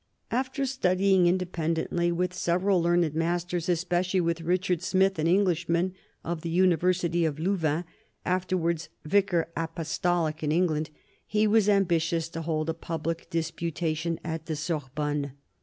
After EARLY YEARS 23 studying independently with several learned masters, especi ally with Richard Smith, an Englishman, of the University of Louvain, afterwards Vicar Apostolic in England, he was ambitious to hold a public disputation at the Sorbonne.